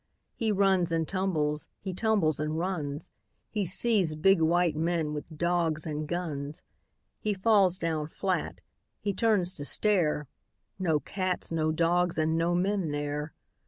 He runs and tumbles, he tumbles and runs. He sees big white men with dogs and guns. He falls down flat. H)e turns to stare — No cats, no dogs, and no men there.